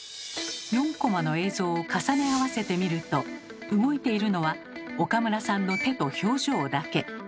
４コマの映像を重ね合わせてみると動いているのは岡村さんの手と表情だけ。